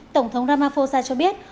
tổng thống ramaphosa cho biết